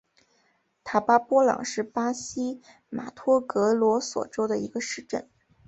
塔巴波朗是巴西马托格罗索州的一个市镇。